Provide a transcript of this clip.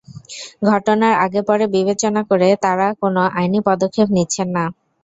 ঘটনার আগে, পরে বিবেচনা করে তাঁরা কোনো আইনি পদক্ষেপ নিচ্ছেন না।